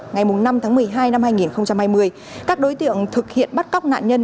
ngày năm tháng một mươi hai năm hai nghìn hai mươi các đối tượng thực hiện bắt cóc nạn nhân